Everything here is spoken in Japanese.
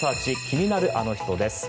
気になるアノ人です。